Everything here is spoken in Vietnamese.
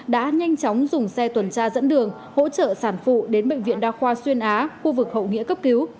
đã nhanh chóng dùng xe tuần tra dẫn đường hỗ trợ sản phụ đến bệnh viện đa khoa xuyên á khu vực hậu nghĩa cấp cứu